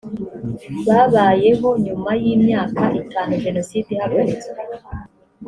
babayeho nyuma y imyaka itanu jenoside ihagaritswe